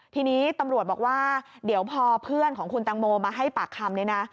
ทีนี้ตำรวจบอกว่าเดี๋ยวพอเพื่อนของคุณตังโมมาให้ปากคำเนี่ยนะ